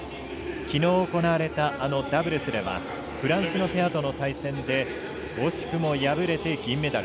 きのう、行われたあのダブルスではフランスのペアとの対戦で惜しくも敗れて銀メダル。